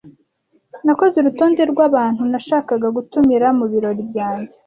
Nakoze urutonde rwabantu nashakaga gutumira mubirori byanjye.